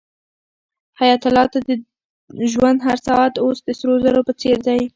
حیات الله ته د ژوند هر ساعت اوس د سرو زرو په څېر دی.